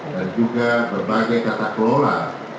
dan juga berbagai kata kelola